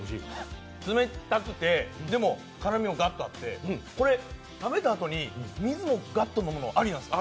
冷たくて、でも辛みもガッとあってこれ、食べたあとに水をガッと飲むの、ありなんですか？